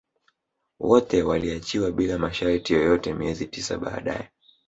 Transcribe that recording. Wote waliachiwa bila masharti yoyote miezi tisa baadae